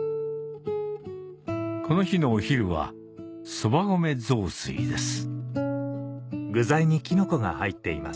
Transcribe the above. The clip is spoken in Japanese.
この日のお昼はそば米雑炊です